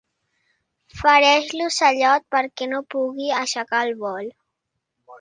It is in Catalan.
Fereix l'ocellot perquè no pugui aixecar el vol.